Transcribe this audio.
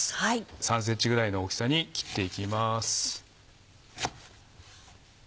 ３ｃｍぐらいの大きさに切っていきます。